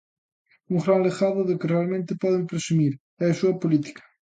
Un gran legado do que realmente pode presumir, é a súa política.